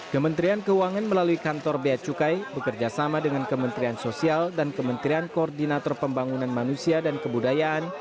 kementerian keuangan melalui kantor bea cukai bekerjasama dengan kementerian sosial dan kementerian koordinator pembangunan manusia dan kebudayaan